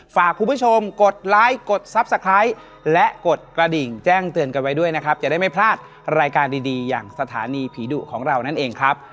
ฝากคุณผู้ชมกดไลค์กดทรัพย์สะไคร้และกดกระดิ่งแจ้งเตือนกันไว้ด้วยนะครับจะได้ไม่พลาดรายการดีอย่างสถานีผีดุของเรานั่นเองครับ